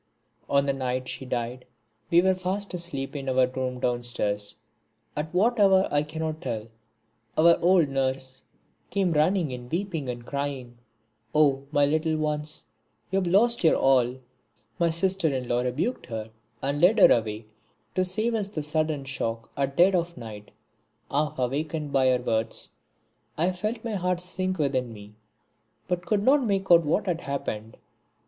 On the night she died we were fast asleep in our room downstairs. At what hour I cannot tell, our old nurse came running in weeping and crying: "O my little ones, you have lost your all!" My sister in law rebuked her and led her away, to save us the sudden shock at dead of night. Half awakened by her words, I felt my heart sink within me, but could not make out what had happened.